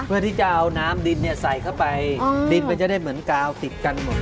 เพื่อที่จะเอาน้ำดินใส่เข้าไปดินมันจะได้เหมือนกาวติดกันหมด